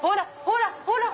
ほらほら！